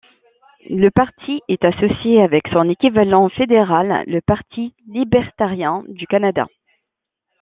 Le parti est associé avec son équivalent fédéral, le Parti libertarien du Canada.